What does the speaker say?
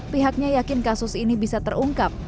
pihaknya yakin kasus ini bisa terungkap